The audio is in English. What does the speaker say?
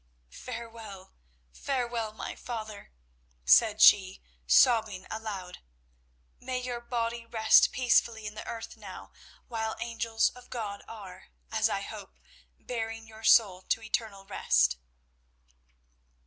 Farewell, farewell, my father," said she, sobbing aloud, "may your body rest peacefully in the earth now, while angels of God are, as I hope, bearing your soul to eternal rest."